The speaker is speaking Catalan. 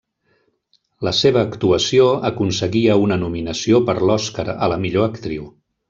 La seva actuació aconseguia una nominació per l'Oscar a la millor actriu.